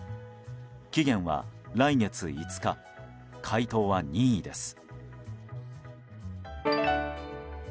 期限は来月５日回答は任意です。